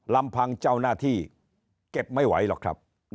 ลำพังเจ้าหน้าที่เก็บไม่ไหวหรอกครับ